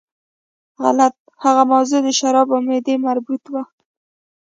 غلط، هغه موضوع د شرابو او معدې مربوط وه.